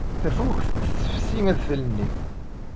Tafukt tessefsi adfel-nni.